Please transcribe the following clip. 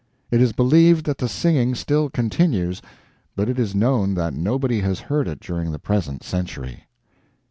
It is believed that the singing still continues, but it is known that nobody has heard it during the present century.